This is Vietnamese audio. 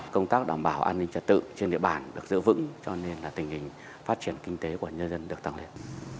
công tác đảm bảo an ninh trật tự trên địa bàn được giữ vững cho nên là tình hình phát triển kinh tế của nhân dân được tăng lên